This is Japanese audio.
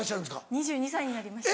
２２歳になりました。